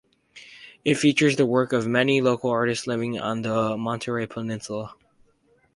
It features the work of many local artists living on the Monterey Peninsula.